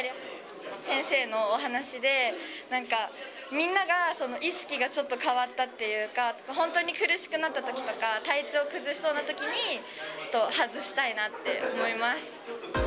先生のお話で、なんかみんなが意識がちょっと変わったっていうか、本当に苦しくなったときとか、体調を崩しそうなときに外したいなって思います。